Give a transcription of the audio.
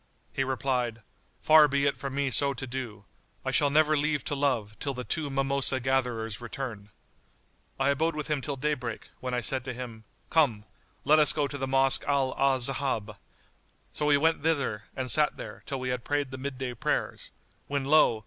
He replied, "Far be it from me so to do. I shall never leave to love till the two mimosa gatherers return."[FN#84] I abode with him till daybreak, when I said to him, "Come let us go to the Mosque Al Ahzab." So we went thither and sat there, till we had prayed the midday prayers, when lo!